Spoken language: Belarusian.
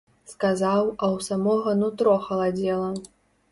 Сказаў, а ў самога нутро халадзела.